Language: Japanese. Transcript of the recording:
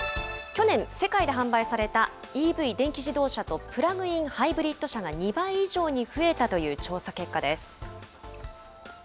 去年、世界で販売されたＥＶ・電気自動車とプラグインハイブリッド車が２倍以上に増えたという調査結果です。